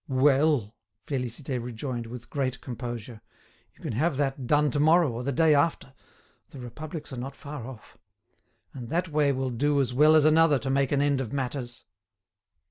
"Well!" Félicité rejoined, with great composure, "you can have that done to morrow or the day after; the Republicans are not far off. And that way will do as well as another to make an end of matters."